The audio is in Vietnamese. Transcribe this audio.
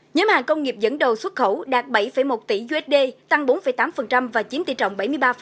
nhóm hàng công nghiệp dẫn đầu xuất khẩu đạt bảy một tỷ usd tăng bốn tám và chiếm tỷ trọng bảy mươi ba